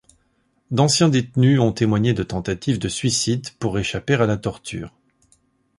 D'anciens détenus ont témoigné de tentatives de suicide pour échapper à la torture.